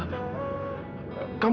aku akan berubah kan mila